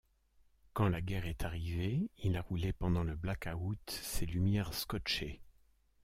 Quand la guerre est arrivée, il a roulé pendant le blackout, ses lumières scotchées.